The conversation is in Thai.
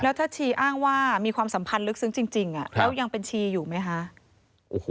แล้วถ้าชีอ้างว่ามีความสัมพันธ์ลึกซึ้งจริงแล้วยังเป็นชีอยู่ไหมคะ